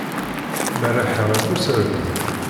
Merreḥ ɣef userdun.